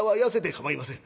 「構いません。